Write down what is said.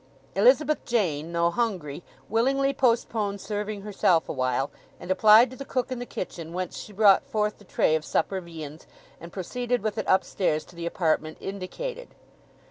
Elizabeth Jane, though hungry, willingly postponed serving herself awhile, and applied to the cook in the kitchen whence she brought forth the tray of supper viands, and proceeded with it upstairs to the apartment indicated.